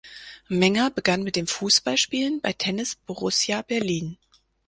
Menger begann mit dem Fußballspielen bei Tennis Borussia Berlin.